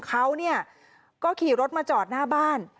เขาก็ขี่รถมาจอดหน้าบ้าน